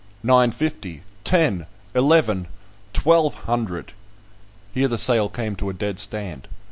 "Nine fifty." "Ten." "Eleven." "Twelve hundred." Here the sale came to a dead stand.